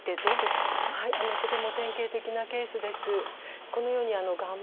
はいとても典型的なケースです。